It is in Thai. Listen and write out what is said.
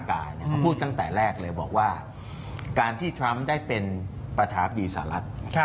เขาพูดตั้งแต่แรกเลยบอกว่าการที่ทรัมป์ได้เป็นประธานบดีสหรัฐ